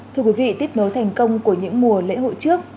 thưa quý vị tiếp nối thành công của những mùa lễ hội trước